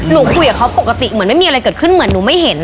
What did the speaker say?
คุยกับเขาปกติเหมือนไม่มีอะไรเกิดขึ้นเหมือนหนูไม่เห็น